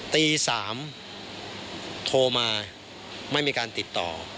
ตี๓โทรมาไม่มีการติดต่อ